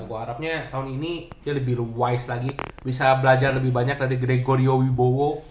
gue harapnya tahun ini dia lebih wise lagi bisa belajar lebih banyak dari gregorio wibowo